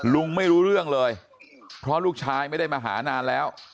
ไม่รู้เรื่องเลยเพราะลูกชายไม่ได้มาหานานแล้ว